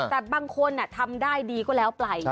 แต่บางคนทำได้ดีก็แล้วไป